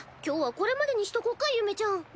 今日はこれまでにしとこかゆめちゃん。